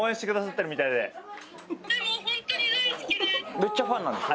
めっちゃファンなんでしょ？